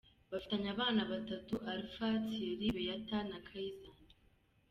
Bafitanye abana batatu Alpha Thierry, Beata na Caysan.